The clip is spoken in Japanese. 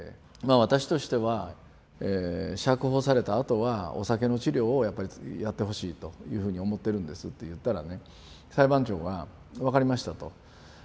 私としては釈放されたあとはお酒の治療をやっぱりやってほしいというふうに思ってるんですって言ったらね裁判長が「分かりました」と。